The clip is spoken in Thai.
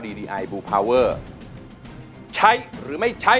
ใช่ใช่ใช่ใช่ใช่ใช่ใช่ใช่ใช่